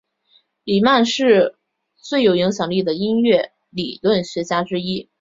里曼是最有影响力的音乐理论家之一。